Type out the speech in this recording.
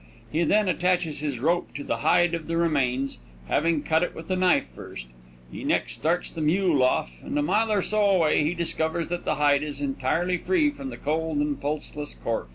He then attaches his rope to the hide of the remains, having cut it with his knife first. He next starts the mule off, and a mile or so away he discovers that the hide is entirely free from the cold and pulseless corps.